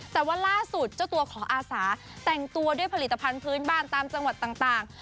แต่ว่าล่าสุดเจ้าตัวขออาสาแต่งตัวด้วยผลิตภัณฑ์พื้นบ้านตามจังหวัดต่าง